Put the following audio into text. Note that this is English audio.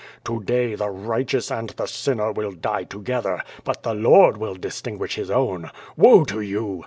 To day the righteous and the sinner will die together^ but the Lord will distinguish His own. Woe to you!